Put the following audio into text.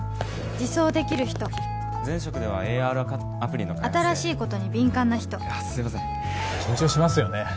自走できる人前職ではＡＲアプリの開発で新しいことに敏感な人いやすいません緊張しますよね